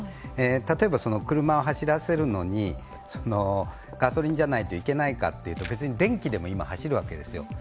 例えば車を走らせるのにガソリンじゃないといけないかというと、別に電気でも今、走るわけですよ。